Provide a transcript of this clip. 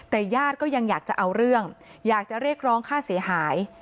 แต่ญาติก็ยังอยากจะเอาเรื่องอยากจะเรียกร้องค่าเสียหาย